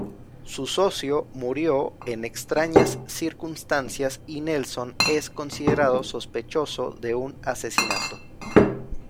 Su socio murió en extrañas circunstancias y Nelson es considerado sospechoso de un asesinato.